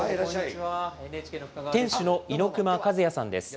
店主の猪熊一也さんです。